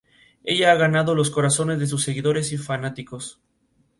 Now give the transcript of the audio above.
Ella ha ganado los corazones de sus seguidores y fanáticos.